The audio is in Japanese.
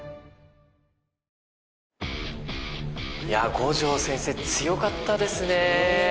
いや五条先生強かったですね。